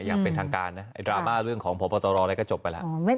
อย่างเป็นทางการนะดราม่าเรื่องของพบตรอะไรก็จบไปแล้ว